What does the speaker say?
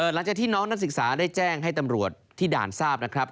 หลังจากที่น้องนักศึกษาได้แจ้งให้ตำรวจที่ด่านทราบนะครับ